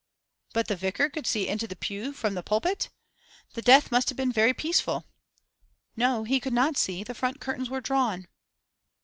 'But the vicar could see into the pew from the pulpit? The death must have been very peaceful.' 'No, he could not see; the front curtains were drawn.